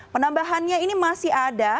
penambahannya ini masih ada